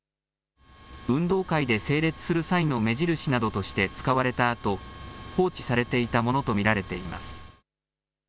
運動会で整列する際の目印などとして使われたあと、放置されていたものと見られています。